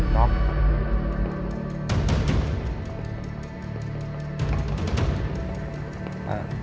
น้อง